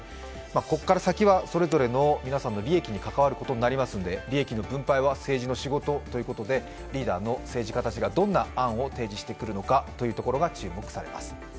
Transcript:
ここから先はそれぞれの皆さんの利益に関わるということになりますので利益の分配は政治の仕事ということでリーダーの政治家たちがどんな案を提示してくるのか注目されます。